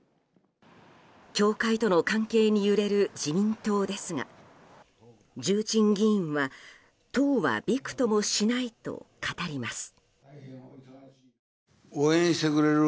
教会との関係に揺れる自民党ですが重鎮議員は党はびくともしないと語ります。